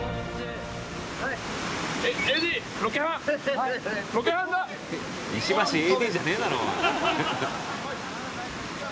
まずは石橋 ＡＤ じゃねえだろう。